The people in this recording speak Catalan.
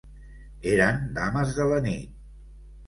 Eren dames de la nit.